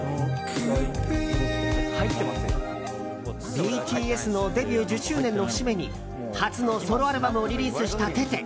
ＢＴＳのデビュー１０周年の節目に初のソロアルバムをリリースしたテテ。